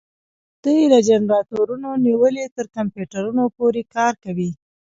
دوی له جنراتورونو نیولې تر کمپیوټر پورې کار کوي.